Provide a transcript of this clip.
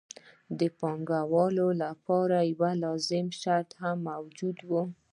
د پانګوالۍ لپاره یو بل لازم شرط هم موجود وو